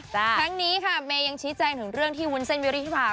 ทั้งนี้ค่ะเมย์ยังชี้แจงถึงเรื่องที่วุ้นเส้นวิริธิภา